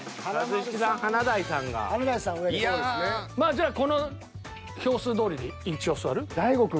じゃあこの票数どおりに一応座る？